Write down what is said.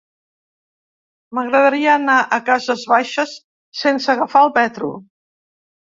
M'agradaria anar a Cases Baixes sense agafar el metro.